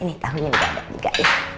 ini tau ini gak ada juga